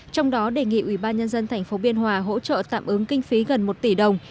trong đó đề nghị ubnd thành phố biên hòa hỗ trợ tạm ứng kinh phí gần một tỷ đồng